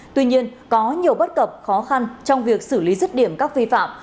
tuy nhiên có nhiều bất cập khó khăn trong việc xử lý rứt điểm các vi phạm